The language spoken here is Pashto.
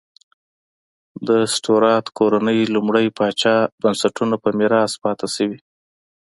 د سټورات کورنۍ لومړي پاچا بنسټونه په میراث پاتې شوې.